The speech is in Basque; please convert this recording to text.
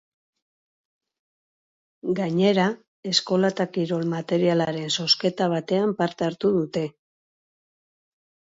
Gainera, eskola eta kirol materialaren zozketa batean parte hartu dute.